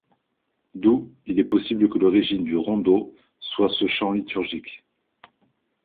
D'où, il est possible que l'origine du rondeau soit ce chant liturgique.